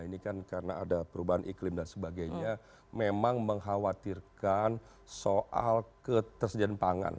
ini kan karena ada perubahan iklim dan sebagainya memang mengkhawatirkan soal ketersediaan pangan